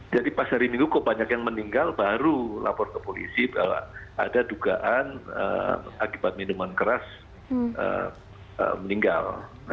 jadi pas hari minggu kok banyak yang meninggal baru lapor ke polisi bahwa ada dugaan akibat minuman keras meninggal